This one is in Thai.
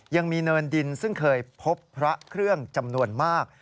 ยังมีเนินดินซึ่งเคยพบพระเครื่องจำนวนมาก